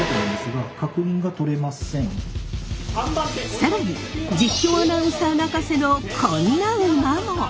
更に実況アナウンサー泣かせのこんな馬も。